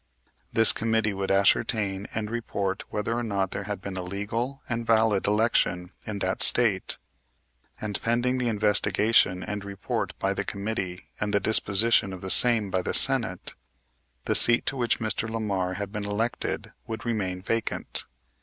This committee would ascertain and report whether or not there had been a legal and valid election in that State, and, pending the investigation and report by the committee and the disposition of the same by the Senate, the seat to which Mr. Lamar had been elected would remain vacant.